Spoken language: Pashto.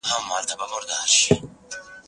زه بايد انځور وګورم!.